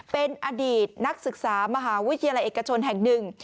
เป็นอดีตนักศึกษามหาวิทยาลัยเอกชนแห่งหนึ่ง